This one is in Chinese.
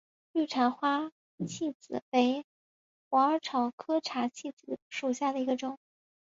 绿花茶藨子为虎耳草科茶藨子属下的一个种。